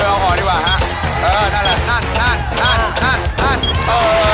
โอ้โหไปแล้วหนึ่งครับ